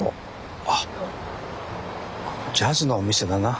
あっジャズのお店だな。